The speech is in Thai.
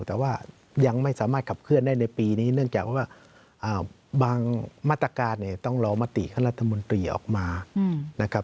แต่ว่ายังไม่สามารถขับเคลื่อนได้ในปีนี้เนื่องจากว่าบางมาตรการเนี่ยต้องรอมติคณะรัฐมนตรีออกมานะครับ